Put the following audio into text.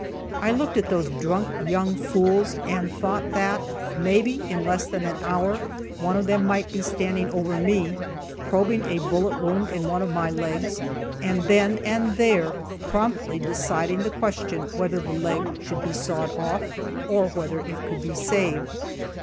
I looked at these drunk young fools, and thought that maybe, in less than an hour, one of them might be standing over me, probing a bullet wound in one of my legs, and then and there promptly deciding the question whether the leg should be sawed off, or whether it could be saved.